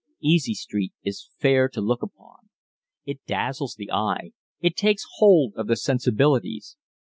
"Easy Street" is fair to look upon. It dazzles the eye it takes hold of the sensibilities.